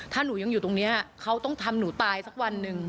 ถ้าหนูยังอยู่ตรงนี้เขาต้องทำหนูตายสักวันหนึ่ง